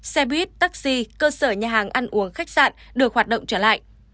xe buýt taxi cơ sở nhà hàng ăn uống khách sạn được hoạt động trở lại